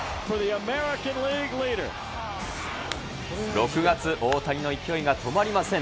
６月、大谷の勢いが止まりません。